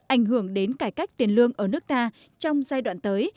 ảnh hưởng đến cải cách tiền lương ở nước ta trong giai đoạn tới